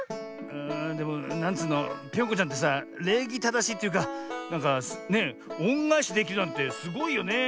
でもなんつうのぴょんこちゃんってされいぎただしいというかなんかねおんがえしできるなんてすごいよね。